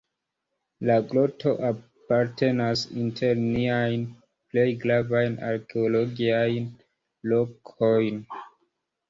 La groto apartenas inter niajn plej gravajn arkeologiajn lokojn.